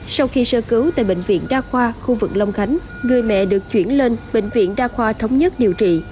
sau khi sơ cứu tại bệnh viện đa khoa khu vực long khánh người mẹ được chuyển lên bệnh viện đa khoa thống nhất điều trị